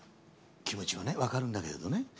気持ちはねわかるんだけれどね